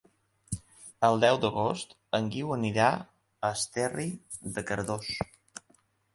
El deu d'agost en Guiu anirà a Esterri de Cardós.